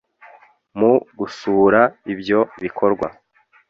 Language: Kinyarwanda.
Mu gusura ibyo bikorwa